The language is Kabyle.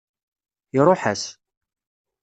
Iṛuḥ-as.